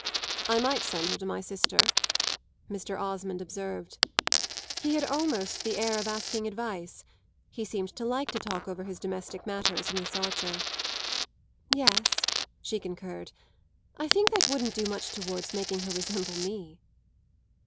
"I might send her to my sister," Mr. Osmond observed. He had almost the air of asking advice; he seemed to like to talk over his domestic matters with Miss Archer. "Yes," she concurred; "I think that wouldn't do much towards making her resemble me!"